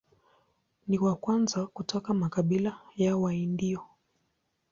Ni wa kwanza kutoka makabila ya Waindio.